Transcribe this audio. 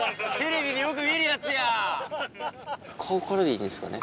顔からでいいですかね？